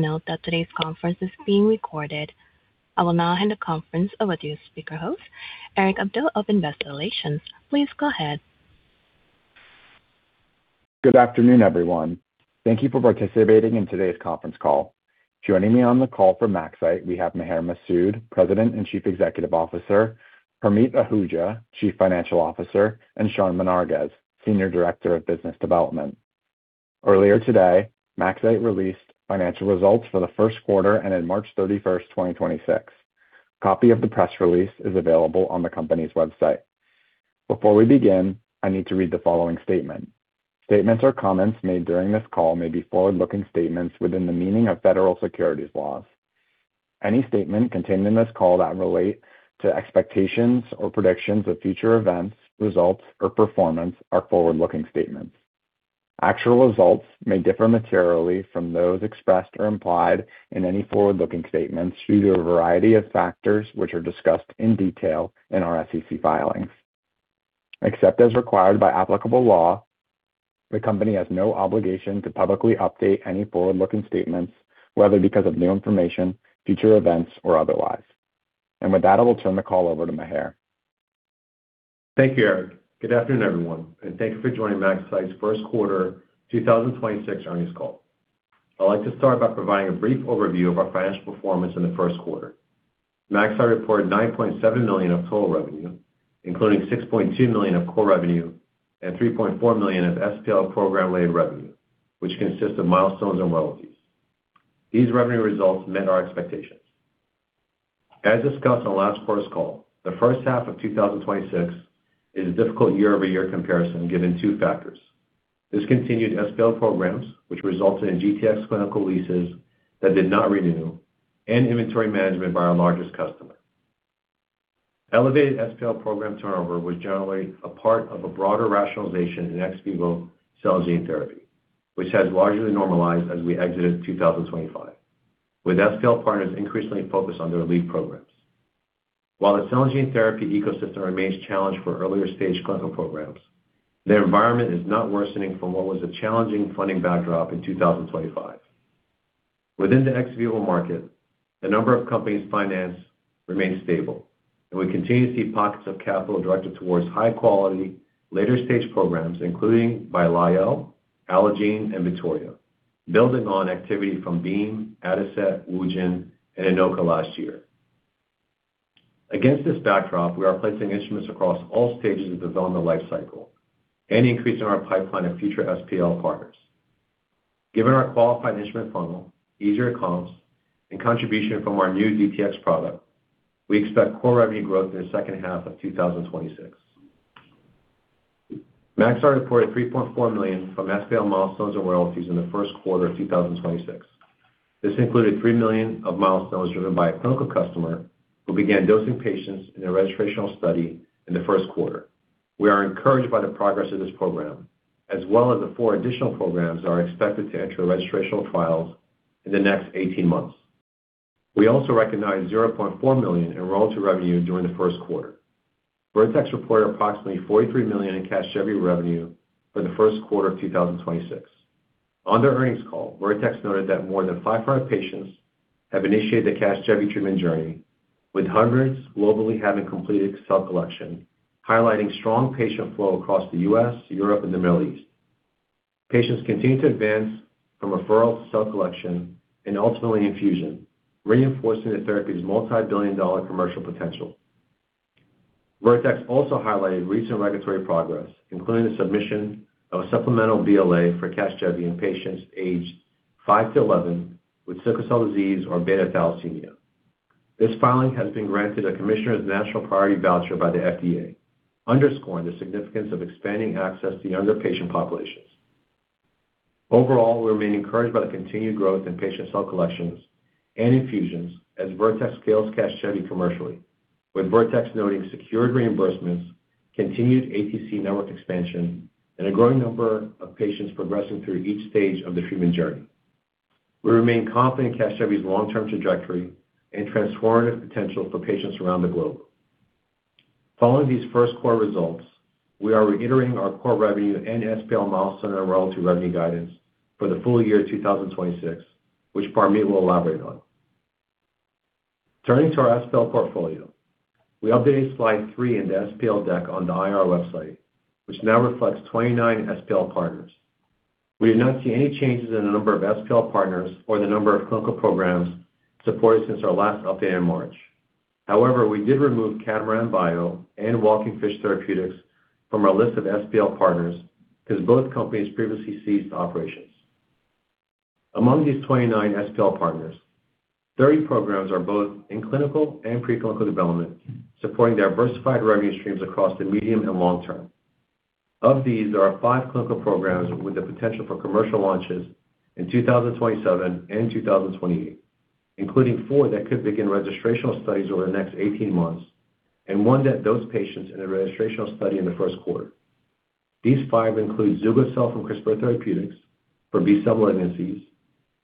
Please note that today's conference is being recorded. I will now hand the conference over to your speaker host, Eric Abdill of Investor Relations. Please go ahead. Good afternoon, everyone. Thank you for participating in today's conference call. Joining me on the call from MaxCyte, we have Maher Masoud, President and Chief Executive Officer, Parmeet Ahuja, Chief Financial Officer, and Sean Menarguez, Senior Director of Business Development. Earlier today, MaxCyte released financial results for the first quarter and on March 31st, 2026. A copy of the press release is available on the company's website. Before we begin, I need to read the following statement. Statements or comments made during this call may be forward-looking statements within the meaning of federal securities laws. Any statement contained in this call that relate to expectations or predictions of future events, results, or performance are forward-looking statements. Actual results may differ materially from those expressed or implied in any forward-looking statements due to a variety of factors, which are discussed in detail in our SEC filings. Except as required by applicable law, the company has no obligation to publicly update any forward-looking statements, whether because of new information, future events, or otherwise. With that, I will turn the call over to Maher. Thank you, Eric. Good afternoon, everyone, and thank you for joining MaxCyte's first quarter 2026 earnings call. I'd like to start by providing a brief overview of our financial performance in the first quarter. MaxCyte reported $9.7 million of total revenue, including $6.2 million of core revenue and $3.4 million of SPL program-related revenue, which consists of milestones and royalties. These revenue results met our expectations. As discussed on the last quarter's call, the first half of 2026 is a difficult year-over-year comparison, given two factors. Discontinued SPL programs, which resulted in GTx clinical leases that did not renew, and inventory management by our largest customer. Elevated SPL program turnover was generally a part of a broader rationalization in ex vivo cell gene therapy, which has largely normalized as we exited 2025, with SPL partners increasingly focused on their lead programs. While the cell gene therapy ecosystem remains challenged for earlier-stage clinical programs, the environment is not worsening from what was a challenging funding backdrop in 2025. Within the ex vivo market, the number of companies financed remains stable, and we continue to see pockets of capital directed towards high-quality later-stage programs, including by Lyell, Allogene, and Vittoria, building on activity from Beam, Adicet, Wugen, and Inoka last year. Against this backdrop, we are placing instruments across all stages of development lifecycle and increasing our pipeline of future SPL partners. Given our qualified instrument funnel, easier comps, and contribution from our new GTx product, we expect core revenue growth in the second half of 2026. MaxCyte reported $3.4 million from SPL milestones and royalties in the first quarter of 2026. This included $3 million of milestones driven by a clinical customer who began dosing patients in a registrational study in the first quarter. We are encouraged by the progress of this program, as well as the four additional programs that are expected to enter registrational trials in the next 18 months. We also recognized $0.4 million in royalty revenue during the first quarter. Vertex reported approximately $43 million in CASGEVY revenue for the first quarter of 2026. On their earnings call, Vertex noted that more than 500 patients have initiated the CASGEVY treatment journey, with hundreds globally having completed cell collection, highlighting strong patient flow across the U.S., Europe, and the Middle East. Patients continue to advance from referral to cell collection and ultimately infusion, reinforcing the therapy's multi-billion-dollar commercial potential. Vertex also highlighted recent regulatory progress, including the submission of a supplemental BLA for CASGEVY in patients aged five to 11 with sickle cell disease or beta thalassemia. This filing has been granted a Commissioner's National Priority Voucher by the FDA, underscoring the significance of expanding access to younger patient populations. We remain encouraged by the continued growth in patient cell collections and infusions as Vertex scales CASGEVY commercially, with Vertex noting secured reimbursements, continued ATC network expansion, and a growing number of patients progressing through each stage of the treatment journey. We remain confident in CASGEVY's long-term trajectory and transformative potential for patients around the globe. Following these first quarter results, we are reiterating our core revenue and SPL milestone and royalty revenue guidance for the full year 2026, which Parmeet will elaborate on. Turning to our SPL portfolio, we updated slide three in the SPL deck on the IR website, which now reflects 29 SPL partners. We did not see any changes in the number of SPL partners or the number of clinical programs supported since our last update in March. However, we did remove Catamaran Bio and Walking Fish Therapeutics from our list of SPL partners because both companies previously ceased operations. Among these 29 SPL partners, 30 programs are both in clinical and preclinical development, supporting diversified revenue streams across the medium and long term. Of these, there are five clinical programs with the potential for commercial launches in 2027 and 2028, including four that could begin registrational studies over the next 18 months and one that dosed patients in a registrational study in the first quarter. These five include zugo-cel from CRISPR Therapeutics for B-cell malignancies,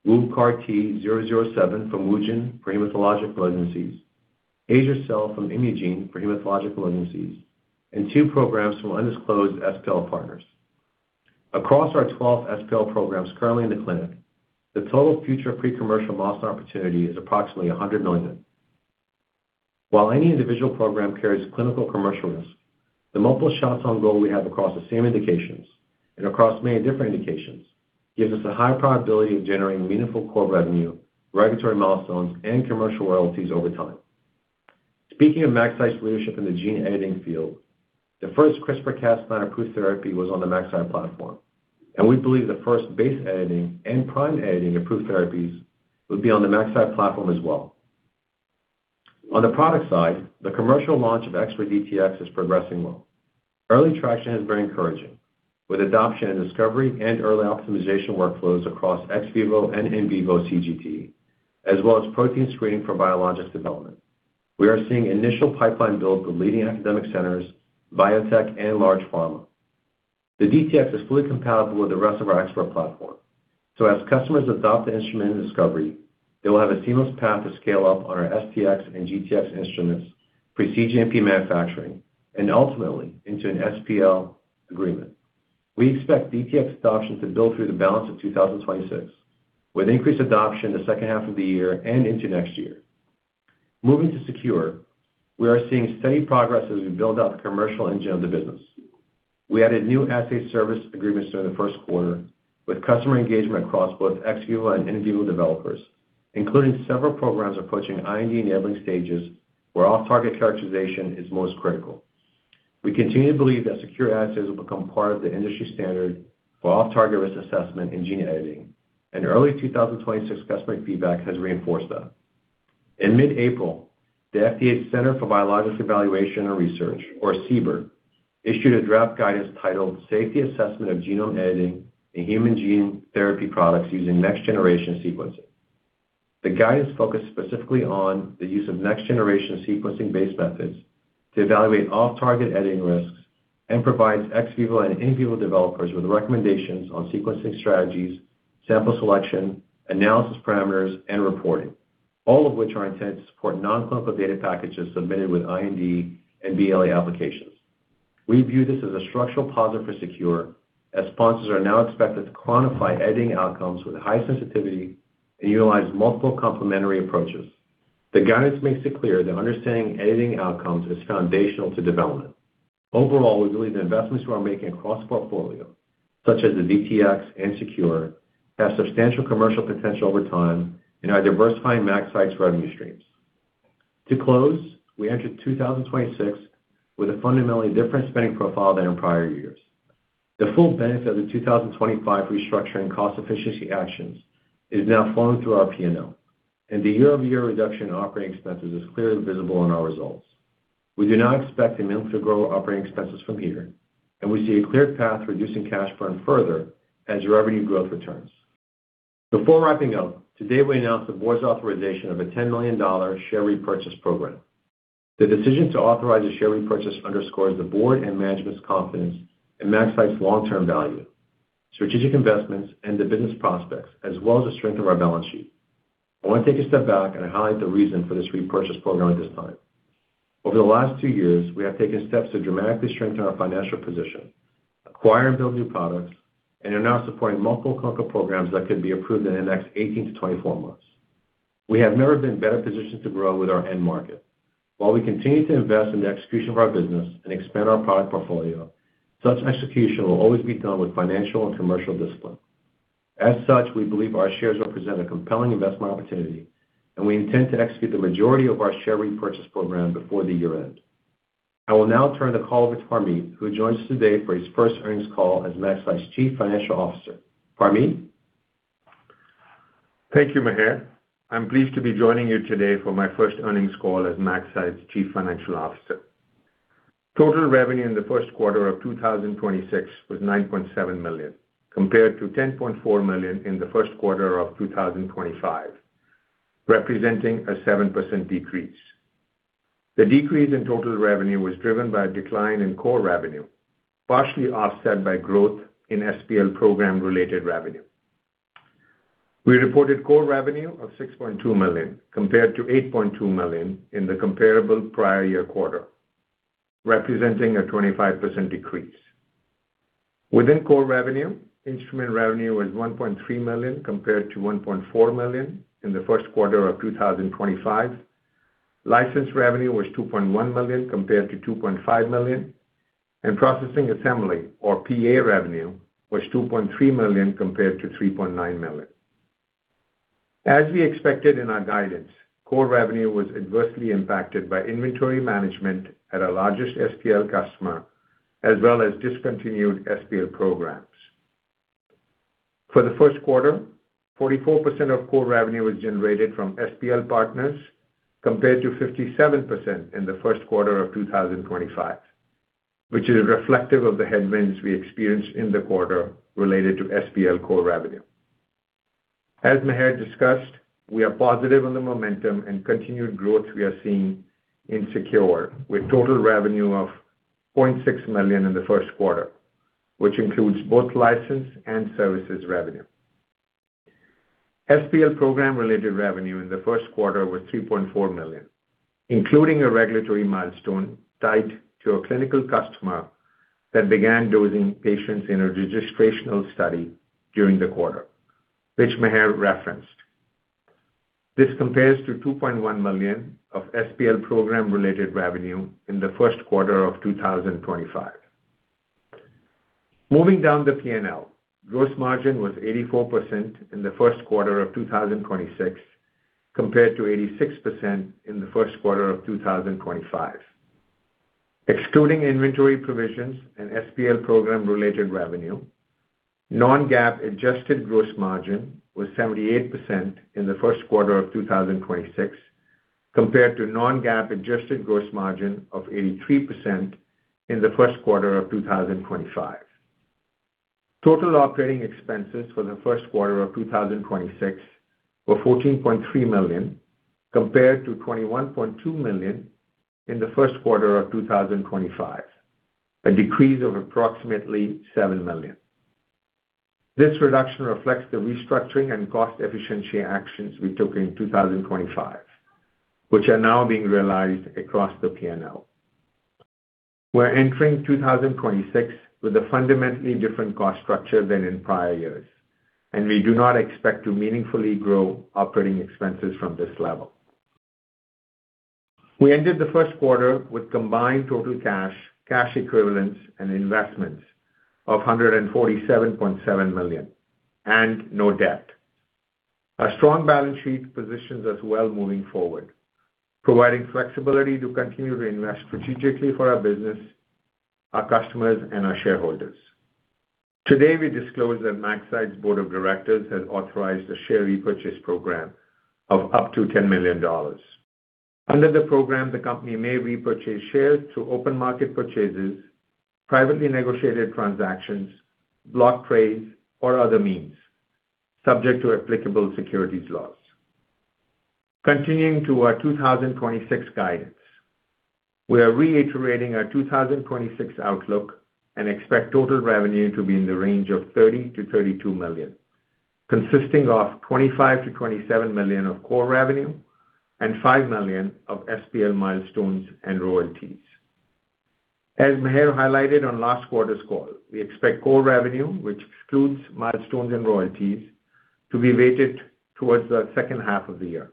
WU-CART-007 from Wugen for hematologic malignancies, azer-cel from Imugene for hematological diseases, and two programs from undisclosed SPL partners. Across our 12 SPL programs currently in the clinic, the total future pre-commercial loss opportunity is approximately $100 million. While any individual program carries clinical commercial risk, the multiple shots on goal we have across the same indications and across many different indications gives us a high probability of generating meaningful core revenue, regulatory milestones, and commercial royalties over time. Speaking of MaxCyte's leadership in the gene editing field, the first CRISPR-Cas9 approved therapy was on the MaxCyte platform, and we believe the first base editing and prime editing approved therapies will be on the MaxCyte platform as well. On the product side, the commercial launch of ExPERT DTx is progressing well. Early traction has been encouraging, with adoption and discovery and early optimization workflows across ex vivo and in vivo CGT, as well as protein screening for biologics development. We are seeing initial pipeline build with leading academic centers, biotech, and large pharma. The DTx is fully compatible with the rest of our ExPERT platform. As customers adopt the instrument and discovery, they will have a seamless path to scale up on our STx and GTx instruments, pre cGMP manufacturing, and ultimately into an SPL agreement. We expect DTx adoption to build through the balance of 2026, with increased adoption the second half of the year and into next year. Moving to SeQure, we are seeing steady progress as we build out the commercial engine of the business. We added new assay service agreements during the first quarter with customer engagement across both ex vivo and in vivo developers, including several programs approaching IND-enabling stages where off-target characterization is most critical. We continue to believe that SeQure assays will become part of the industry standard for off-target risk assessment in gene editing, and early 2026 customer feedback has reinforced that. In mid-April, the FDA Center for Biologics Evaluation and Research, or CBER, issued a draft guidance titled Safety Assessment of Genome Editing in Human Gene Therapy Products Using next-generation sequencing. The guidance focused specifically on the use of next-generation sequencing-based methods to evaluate off-target editing risks and provides ex vivo and in vivo developers with recommendations on sequencing strategies, sample selection, analysis parameters, and reporting, all of which are intended to support non-clinical data packages submitted with IND and BLA applications. We view this as a structural positive for SeQure, as sponsors are now expected to quantify editing outcomes with high sensitivity and utilize multiple complementary approaches. The guidance makes it clear that understanding editing outcomes is foundational to development. Overall, we believe the investments we are making across portfolio, such as the DTx and SeQure, have substantial commercial potential over time and are diversifying MaxCyte's revenue streams. To close, we entered 2026 with a fundamentally different spending profile than in prior years. The full benefit of the 2025 restructuring cost efficiency actions is now flowing through our P&L, and the year-over-year reduction in operating expenses is clearly visible in our results. We do not expect a meaningful growth operating expenses from here, and we see a clear path to reducing cash burn further as revenue growth returns. Before wrapping up, today we announced the board's authorization of a $10 million share repurchase program. The decision to authorize a share repurchase underscores the board and management's confidence in MaxCyte's long-term value, strategic investments, and the business prospects, as well as the strength of our balance sheet. I want to take a step back and highlight the reason for this repurchase program at this time. Over the last two years, we have taken steps to dramatically strengthen our financial position, acquire and build new products, and are now supporting multiple clinical programs that could be approved in the next 18-24 months. We have never been better positioned to grow with our end market. While we continue to invest in the execution of our business and expand our product portfolio, such execution will always be done with financial and commercial discipline. As such, we believe our shares will present a compelling investment opportunity, and we intend to execute the majority of our share repurchase program before the year-end. I will now turn the call over to Parmeet, who joins us today for his first earnings call as MaxCyte's Chief Financial Officer. Parmeet? Thank you, Maher. I'm pleased to be joining you today for my first earnings call as MaxCyte's Chief Financial Officer. Total revenue in the first quarter of 2026 was $9.7 million, compared to $10.4 million in the first quarter of 2025, representing a 7% decrease. The decrease in total revenue was driven by a decline in core revenue, partially offset by growth in SPL program-related revenue. We reported core revenue of $6.2 million compared to $8.2 million in the comparable prior year quarter, representing a 25% decrease. Within core revenue, instrument revenue was $1.3 million compared to $1.4 million in the first quarter of 2025. License revenue was $2.1 million compared to $2.5 million, and processing assembly, or PA revenue, was $2.3 million compared to $3.9 million. As we expected in our guidance, core revenue was adversely impacted by inventory management at our largest SPL customer, as well as discontinued SPL programs. For the first quarter, 44% of core revenue was generated from SPL partners compared to 57% in the first quarter of 2025, which is reflective of the headwinds we experienced in the quarter related to SPL core revenue. As Maher discussed, we are positive on the momentum and continued growth we are seeing in SeQure, with total revenue of $0.6 million in the first quarter, which includes both license and services revenue. SPL program related revenue in the first quarter was $3.4 million, including a regulatory milestone tied to a clinical customer that began dosing patients in a registrational study during the quarter, which Maher referenced. This compares to $2.1 million of SPL program related revenue in the first quarter of 2025. Moving down the P&L, gross margin was 84% in the first quarter of 2026, compared to 86% in the first quarter of 2025. Excluding inventory provisions and SPL program related revenue, non-GAAP adjusted gross margin was 78% in the first quarter of 2026, compared to non-GAAP adjusted gross margin of 83% in the first quarter of 2025. Total operating expenses for the first quarter of 2026 were $14.3 million compared to $21.2 million in the first quarter of 2025, a decrease of approximately $7 million. This reduction reflects the restructuring and cost efficiency actions we took in 2025, which are now being realized across the P&L. We're entering 2026 with a fundamentally different cost structure than in prior years, and we do not expect to meaningfully grow operating expenses from this level. We ended the first quarter with combined total cash equivalents and investments of $147.7 million and no debt. Our strong balance sheet positions us well moving forward, providing flexibility to continue to invest strategically for our business, our customers and our shareholders. Today, we disclose that MaxCyte's Board of Directors has authorized a share repurchase program of up to $10 million. Under the program, the company may repurchase shares through open market purchases, privately negotiated transactions, block trades, or other means, subject to applicable securities laws. Continuing to our 2026 guidance, we are reiterating our 2026 outlook and expect total revenue to be in the range of $30 million-$32 million, consisting of $25 million-$27 million of core revenue and $5 million of SPL milestones and royalties. As Maher highlighted on last quarter's call, we expect core revenue, which excludes milestones and royalties, to be weighted towards the second half of the year.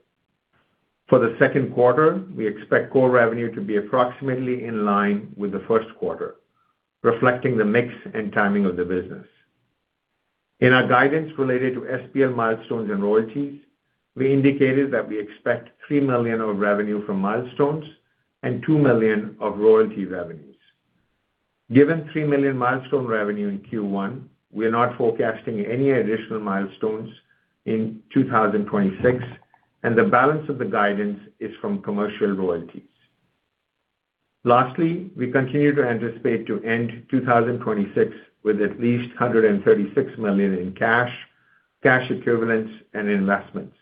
For the second quarter, we expect core revenue to be approximately in line with the first quarter, reflecting the mix and timing of the business. In our guidance related to SPL milestones and royalties, we indicated that we expect $3 million of revenue from milestones and $2 million of royalty revenues. Given $3 million milestone revenue in Q1, we are not forecasting any additional milestones in 2026, and the balance of the guidance is from commercial royalties. Lastly, we continue to anticipate to end 2026 with at least $136 million in cash equivalents, and investments,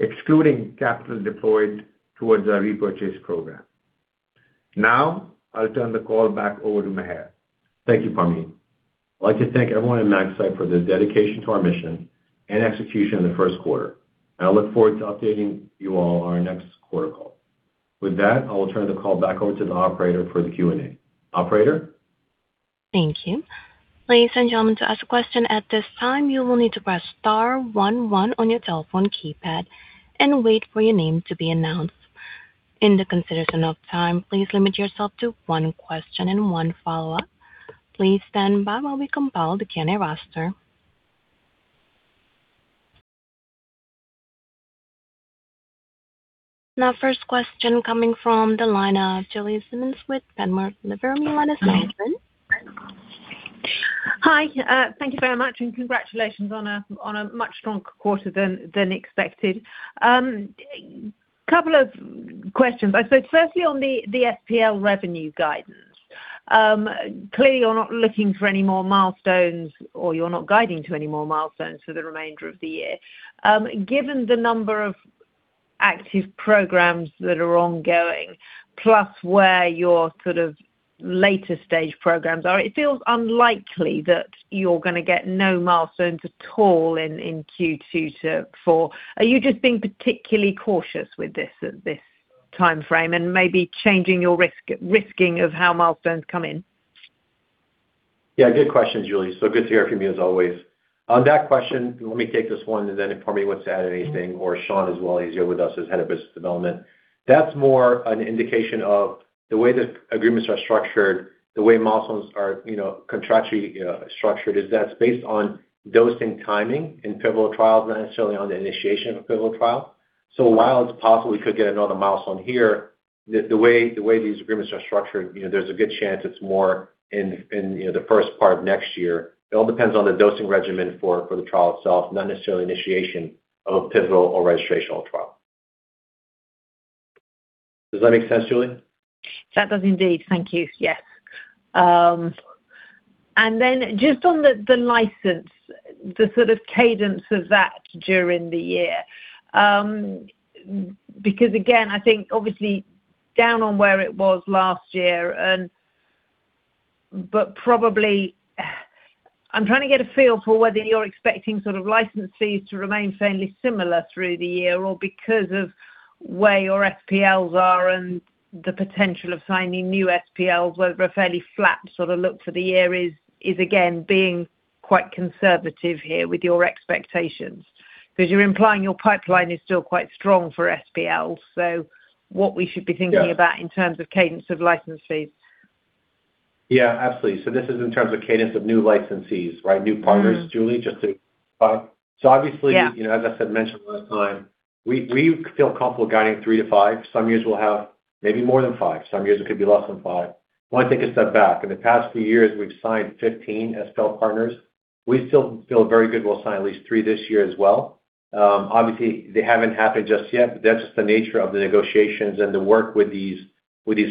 excluding capital deployed towards our repurchase program. Now, I'll turn the call back over to Maher. Thank you, Parmeet. I'd like to thank everyone at MaxCyte for their dedication to our mission and execution in the first quarter. I look forward to updating you all on our next quarter call. With that, I will turn the call back over to the operator for the Q&A. Operator? Thank you. Ladies and gentlemen, to ask a question at this time, you will need to press star one one on your telephone keypad and wait for your name to be announced. In the consideration of time, please limit yourself to one question and one follow-up. Please stand by while we compile the Q&A roster. Now, first question coming from the line of Julie Simmonds with Panmure Liberum. Hi. Thank you very much, and congratulations on a much stronger quarter than expected. Couple of questions. I suppose firstly on the SPL revenue guidance. Clearly, you're not looking for any more milestones, or you're not guiding to any more milestones for the remainder of the year. Given the number of active programs that are ongoing, plus where your sort of later stage programs are, it feels unlikely that you're gonna get no milestones at all in Q2. Are you just being particularly cautious with this at this timeframe and maybe changing your risking of how milestones come in? Yeah, good question, Julie. So good to hear from you, as always. On that question, let me take this one and then if Parmeet wants to add anything or Sean as well, he's here with us as head of business development. That's more an indication of the way the agreements are structured, the way milestones are, you know, contractually structured, is that it's based on dosing timing in pivotal trials, not necessarily on the initiation of pivotal trial. While it's possible we could get another milestone here, the way these agreements are structured, you know, there's a good chance it's more in, you know, the first part of next year. It all depends on the dosing regimen for the trial itself, not necessarily initiation of a pivotal or registrational trial. Does that make sense, Julie? That does indeed. Thank you. Yes. Then just on the license, the sort of cadence of that during the year. Because again, I think obviously down on where it was last year. I'm trying to get a feel for whether you're expecting sort of license fees to remain fairly similar through the year or because of where your SPLs are and the potential of signing new SPLs where a fairly flat sort of look for the year is again being quite conservative here with your expectations. 'Cause you're implying your pipeline is still quite strong for SPL. What we should be thinking? Yeah. About in terms of cadence of license fees. Yeah, absolutely. This is in terms of cadence of new licensees, right? New partners, Julie, just to. Yeah. You know, as I said, mentioned last time, we feel comfortable guiding three-five. Some years we'll have maybe more than five, some years it could be less than five. Want to take a step back. In the past few years, we've signed 15 SPL partners. We still feel very good we'll sign at least three this year as well. Obviously, they haven't happened just yet, that's just the nature of the negotiations and the work with these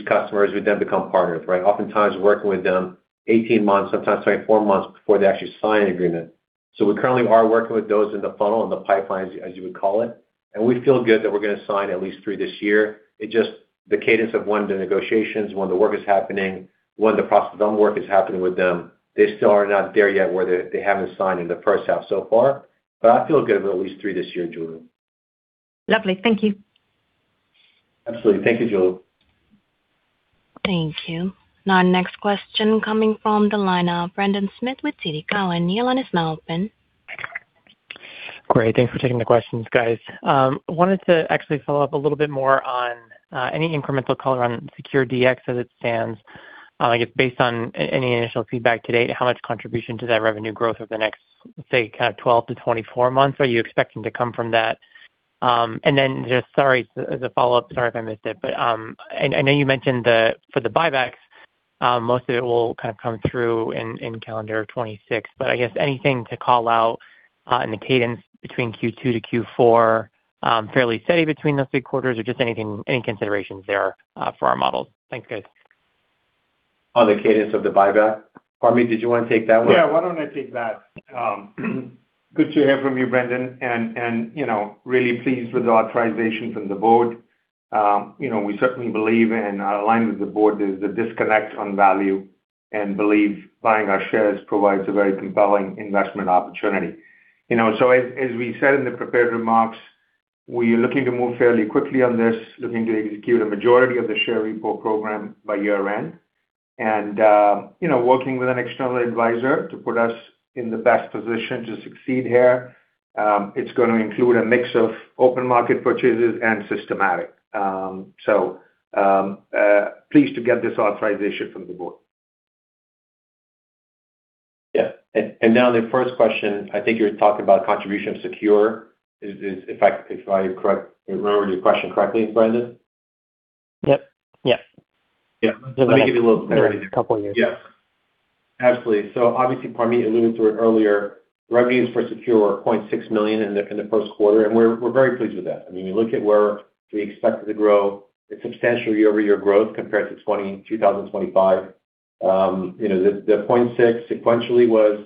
customers who then become partners, right? Oftentimes working with them 18 months, sometimes 24 months before they actually sign an agreement. We currently are working with those in the funnel and the pipelines, as you would call it, and we feel good that we're going to sign at least three this year. The cadence of when the negotiations, when the work is happening, when the process of work is happening with them, they still are not there yet where they haven't signed in the first half so far, but I feel good with at least three this year, Julie. Lovely. Thank you. Absolutely. Thank you, Julie. Thank you. Now our next question coming from the line of Brendan Smith with TD Cowen. Your line is now open. Great. Thanks for taking the questions, guys. Wanted to actually follow up a little bit more on any incremental color on SeQure Dx as it stands. I guess based on any initial feedback to date, how much contribution to that revenue growth over the next, say, kind of 12 to 24 months are you expecting to come from that? And then just sorry, as a follow-up, sorry if I missed it, but I know you mentioned for the buybacks, most of it will kind of come through in calendar 2026, but I guess anything to call out in the cadence between Q2 to Q4, fairly steady between those three quarters or just anything, any considerations there for our models? Thanks, guys. On the cadence of the buyback. Parmeet, did you wanna take that one? Yeah, why don't I take that? Good to hear from you, Brendan, and, you know, really pleased with the authorization from the board. You know, we certainly believe and are aligned with the board there's a disconnect on value and believe buying our shares provides a very compelling investment opportunity. You know, as we said in the prepared remarks, we're looking to move fairly quickly on this, looking to execute a majority of the share repo program by year-end and, you know, working with an external advisor to put us in the best position to succeed here. It's gonna include a mix of open market purchases and systematic. Pleased to get this authorization from the board. Yeah. Now the first question, I think you're talking about contribution of SeQure is, if I remember your question correctly, Brendan. Yep. Yeah. Yeah. Let me give you a little clarity there. A couple years. Yes. Absolutely. Obviously, Parmeet alluded to it earlier, revenues for SeQure were $0.6 million in the first quarter, and we're very pleased with that. I mean, you look at where we expected to grow, it's substantial year-over-year growth compared to 2025. You know, the $0.6 sequentially was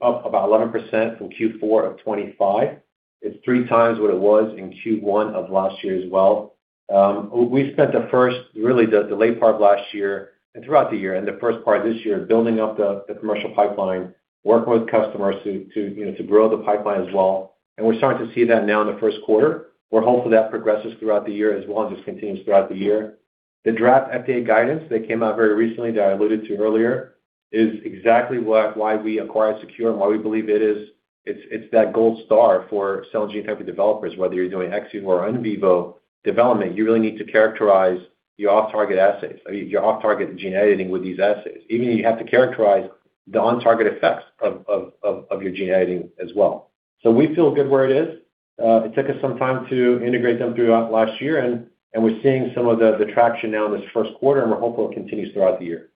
up about 11% from Q4 of 2025. It's 3x what it was in Q1 of last year as well. We spent the first, really the late part of last year and throughout the year and the first part of this year building up the commercial pipeline, working with customers to, you know, to grow the pipeline as well. We're starting to see that now in the first quarter. We're hopeful that progresses throughout the year as well and just continues throughout the year. The draft FDA guidance that came out very recently that I alluded to earlier is exactly why we acquired SeQure and why we believe it is It's that gold star for cell and gene therapy developers, whether you're doing ex vivo or in vivo development, you really need to characterize your off-target assays, your off-target gene editing with these assays, even you have to characterize the on-target effects of your gene editing as well. We feel good where it is. It took us some time to integrate them throughout last year and we're seeing some of the traction now in this first quarter, and we're hopeful it continues throughout the year.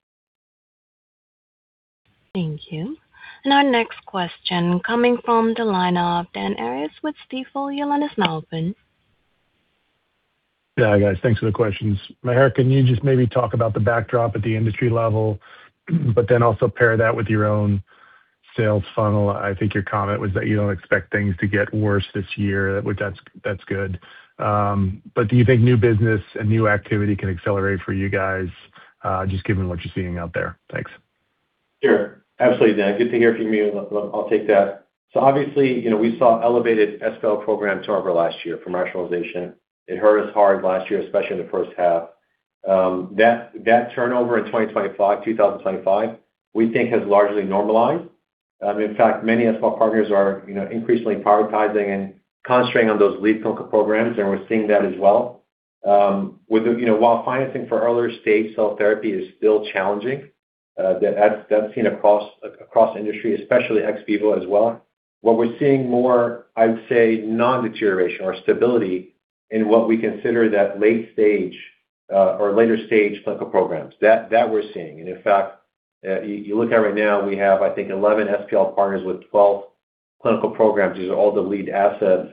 Thank you. Our next question coming from the line of Dan Arias with Stifel. Your line is now open. Yeah, guys, thanks for the questions. Maher, can you just maybe talk about the backdrop at the industry level, then also pair that with your own sales funnel? I think your comment was that you don't expect things to get worse this year, which that's good. Do you think new business and new activity can accelerate for you guys, just given what you're seeing out there? Thanks. Sure. Absolutely, Dan. Good to hear from you. I'll take that. Obviously, you know, we saw elevated SPL program turnover last year from rationalization. It hurt us hard last year, especially in the first half. That turnover in 2025 we think has largely normalized. In fact, many SPL partners are, you know, increasingly prioritizing and concentrating on those lead clinical programs, and we're seeing that as well. With the, you know, while financing for earlier-stage cell therapy is still challenging, that's seen across industry, especially ex vivo as well. What we're seeing more, I'd say non-deterioration or stability in what we consider that late stage or later stage clinical programs. That we're seeing. In fact, you look at right now, we have, I think, 11 SPL partners with 12 clinical programs. These are all the lead assets.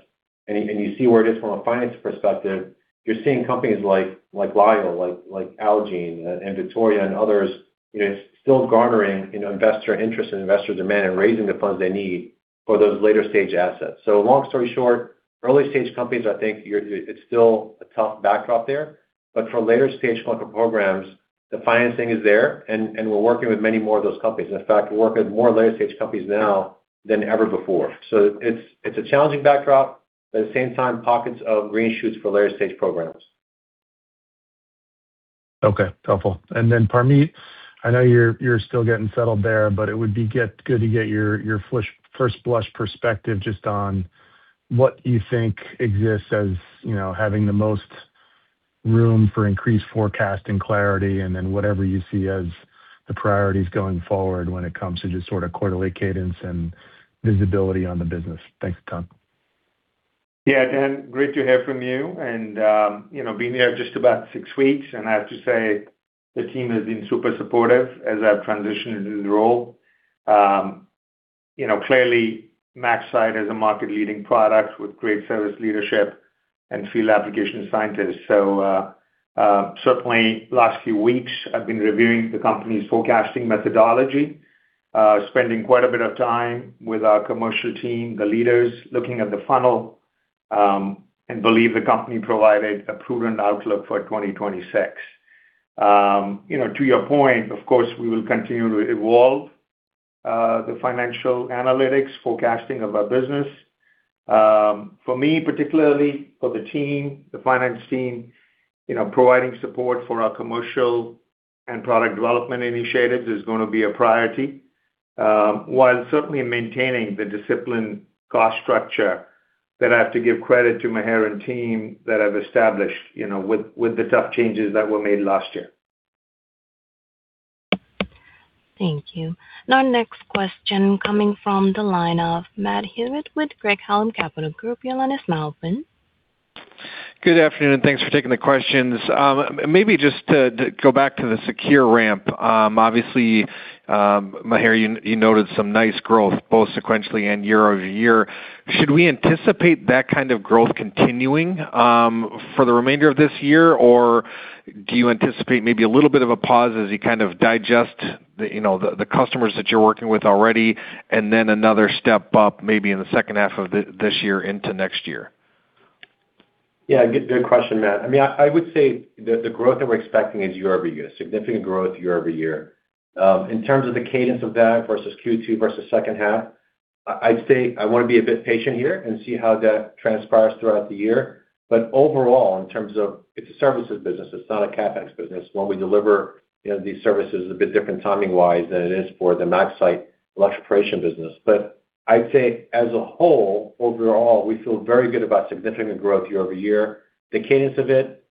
You see where it is from a finance perspective. You're seeing companies like Lyell, like Allogene and Vittoria and others, you know, still garnering, you know, investor interest and investor demand and raising the funds they need for those later stage assets. Long story short, early stage companies, I think it's still a tough backdrop there. For later stage clinical programs, the financing is there, and we're working with many more of those companies. In fact, we're working with more later stage companies now than ever before. It's a challenging backdrop, but at the same time, pockets of green shoots for later stage programs. Okay. Helpful. Then, Parmeet, I know you're still getting settled there, but it would be good to get your first blush perspective just on what you think exists as, you know, having the most room for increased forecasting clarity and then whatever you see as the priorities going forward when it comes to just sort of quarterly cadence and visibility on the business. Thanks a ton. Yeah, Dan, great to hear from you know, been here just about six weeks, and I have to say, the team has been super supportive as I transition into the role. You know, clearly, MaxCyte is a market-leading product with great service leadership and field application scientists. Certainly, last few weeks, I've been reviewing the company's forecasting methodology, spending quite a bit of time with our commercial team, the leaders looking at the funnel, and believe the company provided a proven outlook for 2026. You know, to your point, of course, we will continue to evolve the financial analytics forecasting of our business. For me, particularly for the team, the finance team, you know, providing support for our commercial and product development initiatives is gonna be a priority, while certainly maintaining the disciplined cost structure that I have to give credit to Maher and team that I've established, you know, with the tough changes that were made last year. Thank you. Next question coming from the line of Matthew Hewitt with Craig-Hallum Capital Group. Your line is now open. Good afternoon, and thanks for taking the questions. Maybe just to go back to the SeQure ramp. Obviously, Maher, you noted some nice growth, both sequentially and year-over-year. Should we anticipate that kind of growth continuing for the remainder of this year? Do you anticipate maybe a little bit of a pause as you kind of digest the, you know, the customers that you're working with already and then another step up maybe in the second half of this year into next year? Yeah, good question, Matt. I mean, I would say the growth that we're expecting is year-over-year, significant growth year-over-year. In terms of the cadence of that versus Q2 versus second half, I'd say I wanna be a bit patient here and see how that transpires throughout the year. Overall, in terms of it's a services business, it's not a CapEx business. When we deliver, you know, these services a bit different timing-wise than it is for the MaxCyte electroporation business. I'd say as a whole, overall, we feel very good about significant growth year-over-year. The cadence of it,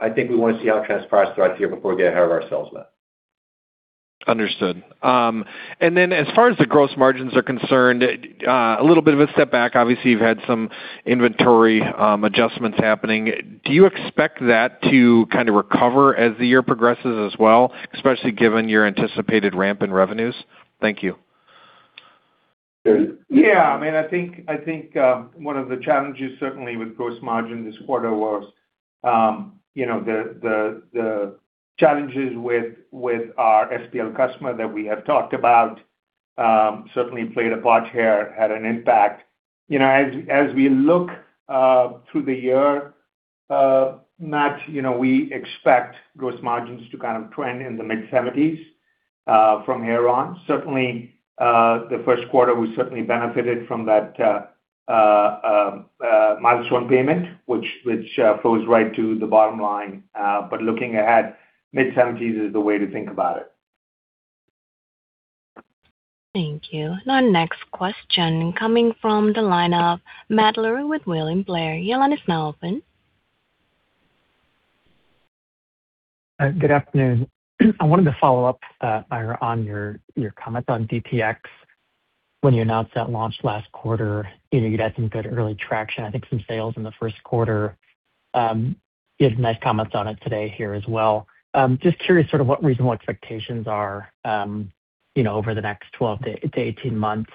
I think we wanna see how it transpires throughout the year before we get ahead of ourselves, Matt. Understood. As far as the gross margins are concerned, a little bit of a step back. Obviously, you've had some inventory, adjustments happening. Do you expect that to kind of recover as the year progresses as well, especially given your anticipated ramp in revenues? Thank you. Yeah. I mean, I think one of the challenges certainly with gross margin this quarter was, you know, the challenges with our SPL customer that we have talked about, certainly played a part here, had an impact. You know, as we look through the year, Matt, you know, we expect gross margins to kind of trend in the mid-70s from here on. Certainly, the first quarter, we certainly benefited from that milestone payment, which flows right to the bottom line. Looking ahead, mid-70s is the way to think about it. Thank you. Now, next question coming from the line of Matt Larew with William Blair. Your line is now open. Good afternoon. I wanted to follow up, Maher, on your comment on DTx. When you announced that launch last quarter, you know, you'd had some good early traction, I think some sales in the first quarter. You had nice comments on it today here as well. Just curious sort of what reasonable expectations are, you know, over the next 12-18 months.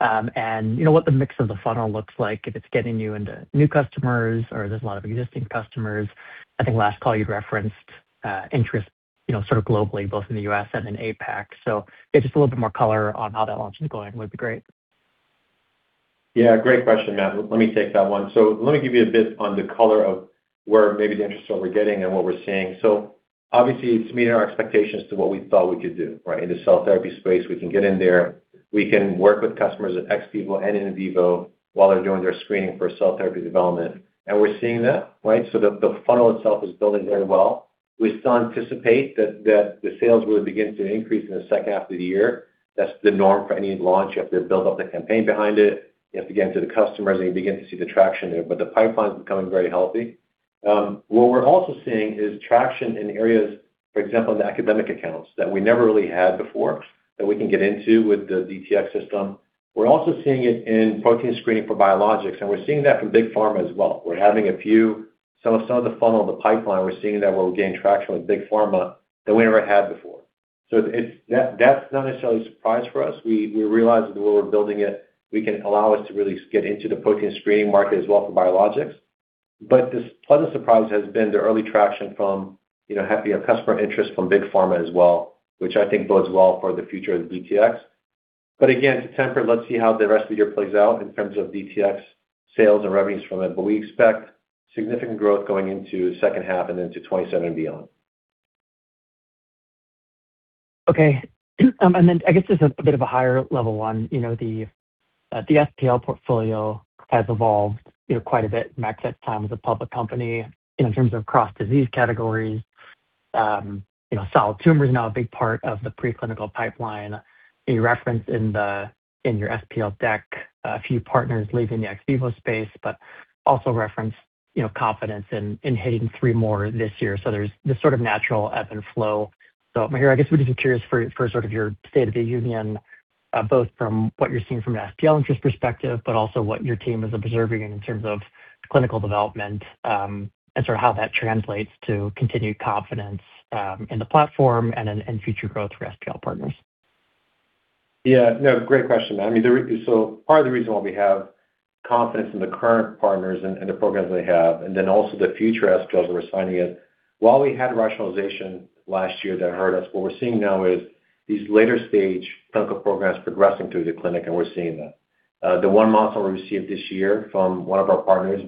You know, what the mix of the funnel looks like, if it's getting you into new customers or there's a lot of existing customers. I think last call you referenced interest, you know, sort of globally, both in the U.S. and in APAC. Yeah, just a little bit more color on how that launch is going would be great. Yeah, great question, Matt. Let me take that one. Let me give you a bit on the color of where maybe the interest that we're getting and what we're seeing. Obviously, it's meeting our expectations to what we thought we could do, right? In the cell therapy space, we can get in there. We can work with customers ex vivo and in vivo while they're doing their screening for cell therapy development. We're seeing that, right? The funnel itself is building very well. We still anticipate that the sales will begin to increase in the second half of the year. That's the norm for any launch. You have to build up the campaign behind it. You have to get into the customers, and you begin to see the traction there. The pipeline's becoming very healthy. What we're also seeing is traction in areas, for example, in the academic accounts that we never really had before that we can get into with the DTx system. We're also seeing it in protein screening for biologics, and we're seeing that from big pharma as well. We're having Some of the funnel in the pipeline, we're seeing that we're gaining traction with big pharma that we never had before. That's not necessarily a surprise for us. We realized that the way we're building it, we can allow us to really get into the protein screening market as well for biologics. This pleasant surprise has been the early traction from, you know, having a customer interest from big pharma as well, which I think bodes well for the future of DTx. Again, to temper, let's see how the rest of the year plays out in terms of DTx sales and revenues from it. We expect significant growth going into second half and into 2027 and beyond. Okay. I guess this is a bit of a higher level one. You know, the ExPERT portfolio has evolved, you know, quite a bit back that time as a public company in terms of cross-disease categories. You know, solid tumor is now a big part of the preclinical pipeline. You reference in the, in your ExPERT deck a few partners leaving the ex vivo space, but also reference, you know, confidence in hitting three more this year. There's this sort of natural ebb and flow. Maher, I guess we're just curious for sort of your state of the union, both from what you're seeing from an SPL interest perspective, also what your team is observing in terms of clinical development, and sort of how that translates to continued confidence in the platform and future growth for SPL partners. Yeah. No, great question. I mean, part of the reason why we have confidence in the current partners and the programs they have, and also the future SPLs that we're signing in. While we had rationalization last year that hurt us, what we're seeing now is these later stage clinical programs progressing through the clinic, and we're seeing that. The one molecule we received this year from one of our partners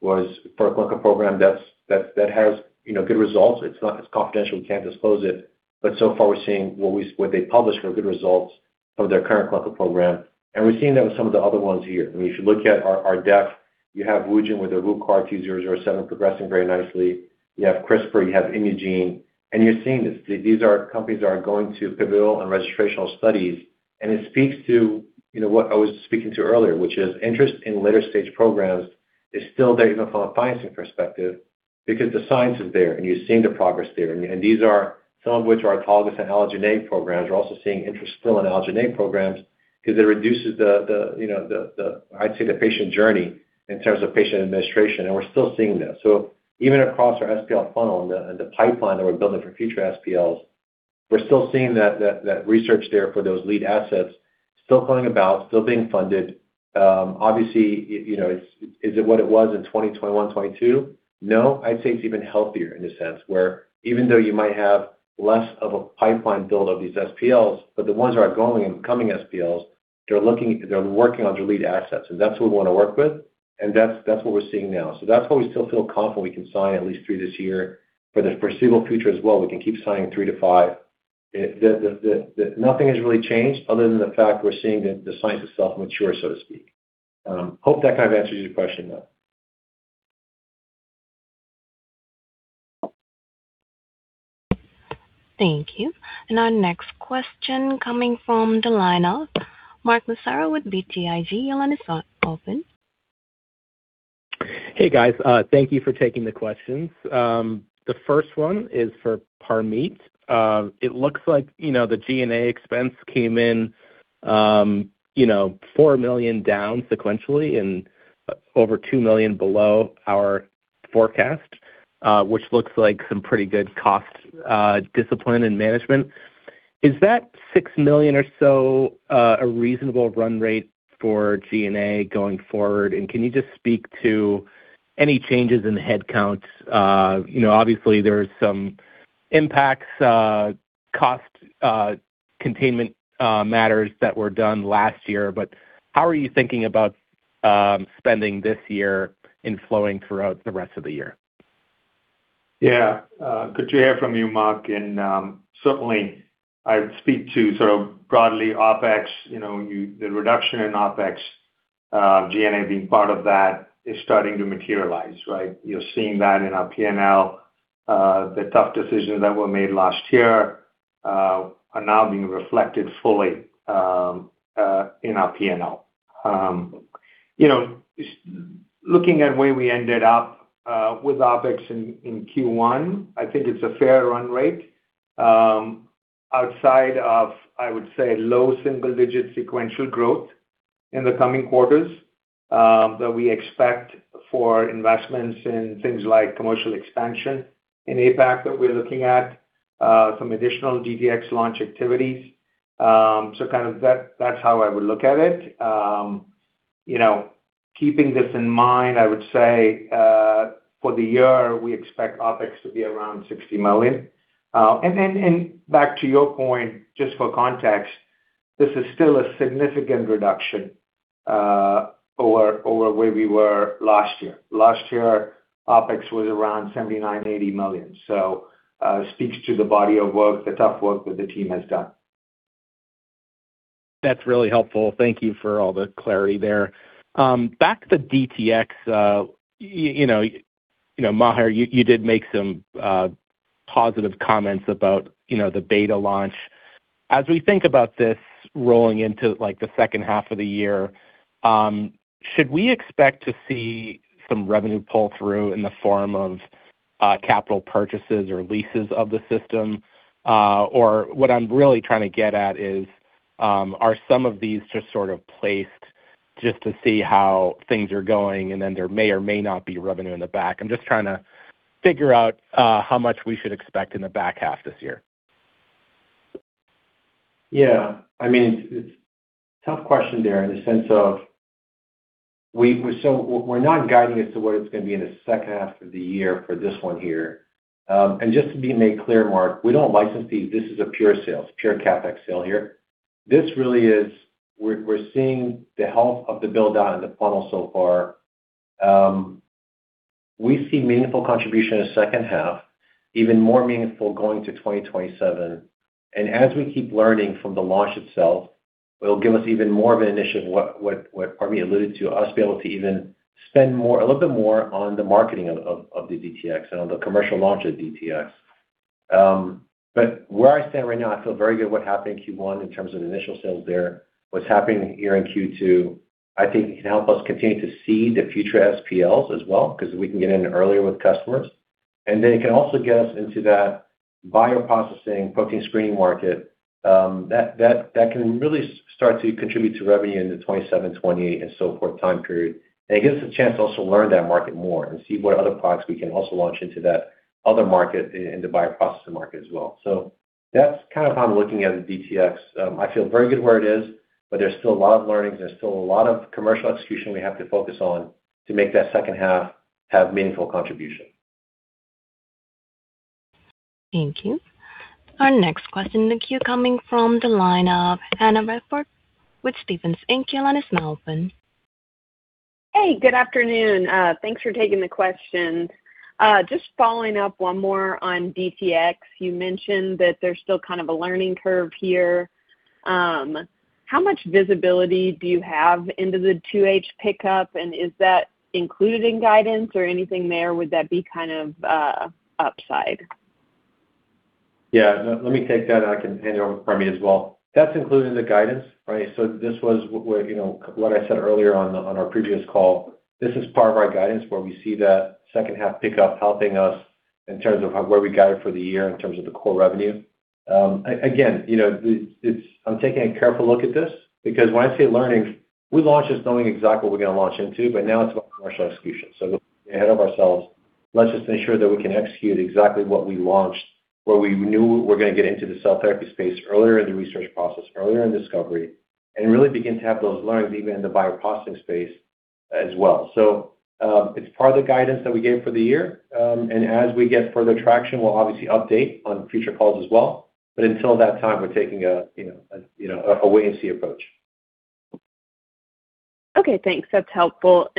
was for a clinical program that has, you know, good results. It's confidential, we can't disclose it, but so far, we're seeing what they published were good results from their current clinical program. We're seeing that with some of the other ones here. I mean, if you look at our depth, you have Wugen with their WU-CART-007 progressing very nicely. You have CRISPR, you have Imugene, you're seeing this. These are companies that are going to pivotal and registrational studies, and it speaks to, you know, what I was speaking to earlier, which is interest in later stage programs is still there even from a financing perspective because the science is there, and you're seeing the progress there. These are some of which are autologous and allogeneic programs. We're also seeing interest still in allogeneic programs because it reduces the, you know, the patient journey in terms of patient administration, and we're still seeing that. Even across our SPL funnel and the pipeline that we're building for future SPLs, we're still seeing that research there for those lead assets still going about, still being funded. Obviously, you know, is it what it was in 2021, 2022? No, I'd say it's even healthier in a sense, where even though you might have less of a pipeline build of these SPLs, but the ones that are going and coming SPLs, They're working on their lead assets, and that's who we wanna work with, and that's what we're seeing now. That's why we still feel confident we can sign at least three this year. For the foreseeable future as well, we can keep signing three-five. Nothing has really changed other than the fact we're seeing the science itself mature, so to speak. I hope that kind of answers your question though. Thank you. Our next question coming from the line of Mark Massaro with BTIG. Your line is open. Hey, guys. Thank you for taking the questions. The first one is for Parmeet. It looks like, you know, the G&A expense came in, you know, $4 million down sequentially and over $2 million below our forecast, which looks like some pretty good cost discipline and management. Is that $6 million or so a reasonable run rate for G&A going forward? Can you just speak to any changes in the headcount? You know, obviously there's some impacts, cost containment matters that were done last year, but how are you thinking about spending this year in flowing throughout the rest of the year? Yeah. Good to hear from you, Mark. Certainly, I'd speak to sort of broadly OpEx. You know, the reduction in OpEx, G&A being part of that is starting to materialize, right? You're seeing that in our P&L. The tough decisions that were made last year are now being reflected fully in our P&L. You know, looking at where we ended up with OpEx in Q1, I think it's a fair run rate outside of, I would say, low single-digit sequential growth in the coming quarters that we expect for investments in things like commercial expansion in APAC that we're looking at, some additional DTx launch activities. Kind of that's how I would look at it. You know, keeping this in mind, I would say, for the year, we expect OpEx to be around $60 million. Back to your point, just for context, this is still a significant reduction over where we were last year. Last year, OpEx was around $79 million-$80 million. Speaks to the body of work, the tough work that the team has done. That's really helpful. Thank you for all the clarity there. Back to the DTx, you know, Maher, you did make some positive comments about, you know, the beta launch. As we think about this rolling into like the second half of the year, should we expect to see some revenue pull through in the form of capital purchases or leases of the system? Or what I'm really trying to get at is, are some of these just sorts of placed just to see how things are going, and then there may or may not be revenue in the back? I'm just trying to figure out how much we should expect in the back half this year. Yeah, I mean, it's tough question there in the sense of we're not guiding as to what it's gonna be in the second half of the year for this one here. Just to be made clear, Mark, we don't license these. This is a pure sale, pure CapEx sale here. This really is we're seeing the health of the build-out in the funnel so far. We see meaningful contribution in the second half, even more meaningful going to 2027. As we keep learning from the launch itself, it'll give us even more of an initiative, what Parmeet alluded to, us be able to even spend more, a little bit more on the marketing of the DTx and on the commercial launch of DTx. Where I stand right now, I feel very good what happened in Q1 in terms of initial sales there. What's happening here in Q2, I think can help us continue to see the future SPLs as well, 'cause we can get in earlier with customers. Then it can also get us into that bioprocessing protein screening market, that can really start to contribute to revenue in the 2027, 2028 and so forth time period. It gives us a chance to also learn that market more and see what other products we can also launch into that other market, into bioprocessing market as well. That's kind of how I'm looking at DTx. I feel very good where it is, but there's still a lot of learnings, there's still a lot of commercial execution we have to focus on to make that second half have meaningful contribution. Thank you. Our next question in the queue coming from the line of Hannah Hefley with Stephens. Your line is now open. Hey, good afternoon. Thanks for taking the questions. Just following up one more on DTx. You mentioned that there's still kind of a learning curve here. How much visibility do you have into the 2H pickup, and is that included in guidance or anything there? Would that be kind of upside? Let me take that. I can hand it over to Parmeet as well. That's included in the guidance, right? This was where, you know, what I said earlier on our previous call. This is part of our guidance where we see that second half pickup helping us in terms of where we got it for the year in terms of the core revenue. Again, you know, I'm taking a careful look at this because when I say learning, we launched this knowing exactly what we're gonna launch into. Now it's about commercial execution. Ahead of ourselves, let's just ensure that we can execute exactly what we launched, where we knew we're gonna get into the cell therapy space earlier in the research process, earlier in discovery, and really begin to have those learnings even in the bioprocessing space as well. It's part of the guidance that we gave for the year. As we get further traction, we'll obviously update on future calls as well. Until that time, we're taking a, you know, a wait and see approach. Okay, thanks. That's helpful.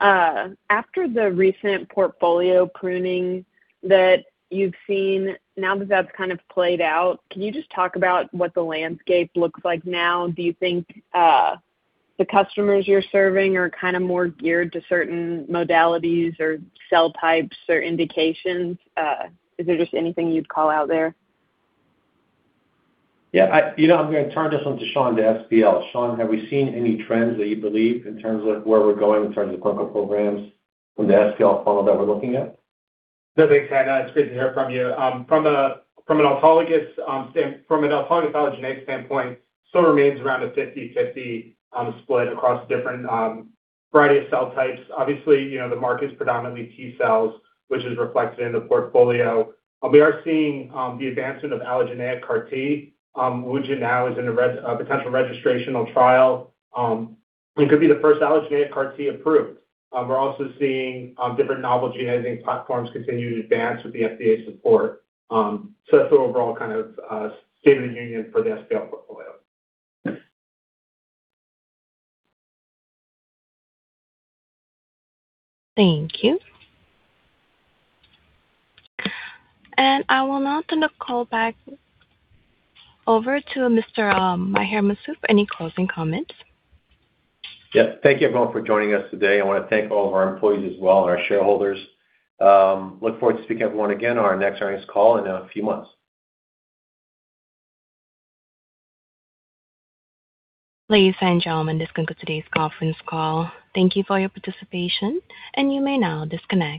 After the recent portfolio pruning that you've seen, now that that's kind of played out, can you just talk about what the landscape looks like now? Do you think the customers you're serving are kind of more geared to certain modalities or cell types or indications? Is there just anything you'd call out there? Yeah, you know, I'm going to turn this one to Sean, the SPL. Sean, have we seen any trends that you believe in terms of where we're going in terms of clinical programs from the SPL funnel that we're looking at? No, thanks, Hannah. It's great to hear from you. From an autologous allogeneic standpoint, still remains around a 50/50 split across different variety of cell types. Obviously, you know, the market is predominantly T-cells, which is reflected in the portfolio. We are seeing the advancement of allogeneic CAR T, which now is in a potential registrational trial. It could be the first allogeneic CAR T approved. We are also seeing different novel gene editing platforms continue to advance with the FDA support. That's the overall kind of state of the union for the SPL portfolio. Thank you. I will now turn the call back over to Mr. Maher Masoud for any closing comments. Yeah. Thank you everyone for joining us today. I wanna thank all of our employees as well, our shareholders. Look forward to speaking to everyone again on our next earnings call in a few months. Ladies and gentlemen, this concludes today's conference call. Thank you for your participation, and you may now disconnect.